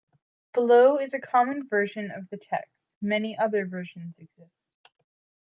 Below is a common version of the text; many other versions exist.